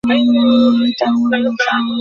আর এটা শামা মাসি।